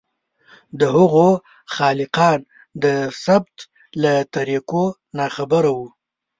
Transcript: د هغو خالقان د ثبت له طریقو ناخبره وو.